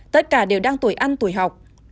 tất cả đều đang tuổi ăn tuổi học